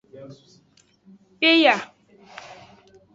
Peya.